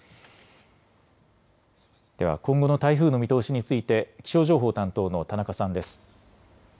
では今後の台風の見通しについて気象情報担当の田中さんです。